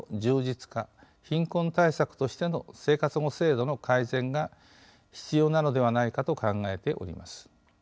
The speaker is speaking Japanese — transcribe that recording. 貧困対策としての生活保護制度の改善が必要なのではないかと考えております。